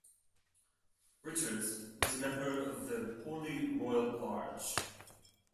Richards was a member of the Holy Royal Arch.